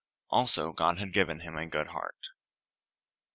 Also, God had given him a good heart.